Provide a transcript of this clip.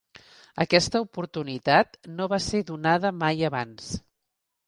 Aquesta oportunitat no va ser donada mai abans.